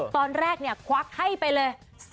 ตอนแรกเนี่ยควักให้ไปเลย